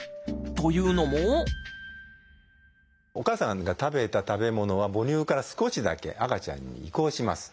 というのもお母さんが食べた食べ物は母乳から少しだけ赤ちゃんに移行します。